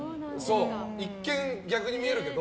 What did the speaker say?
一見、逆に見えるけど。